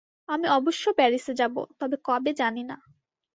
আমি অবশ্য প্যারিসে যাব, তবে কবে জানি না।